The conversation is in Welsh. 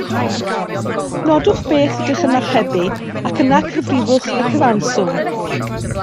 Nodwch beth ydych yn archebu ac yn cyfrifwch y cyfanswm